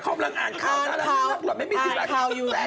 เขากำลังอ่านข่าวอ่านข่าวอยู่แหละ